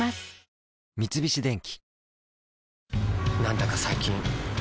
三菱電機